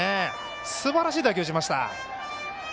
すばらしい打球をしました。